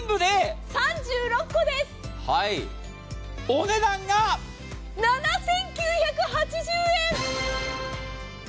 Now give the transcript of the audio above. お値段が７９８０円。